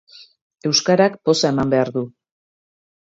Euskarak poza eman behar du.